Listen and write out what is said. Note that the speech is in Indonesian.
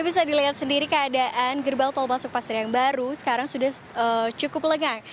tapi bisa dilihat sendiri keadaan gerbang tol masuk paster yang baru sekarang sudah cukup lengang